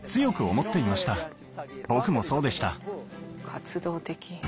活動的！